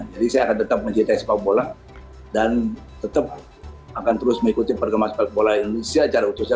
jadi saya akan tetap mencintai sepak bola dan tetap akan terus mengikuti perkembangan sepak bola indonesia secara khususnya